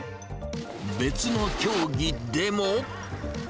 別の競技でも。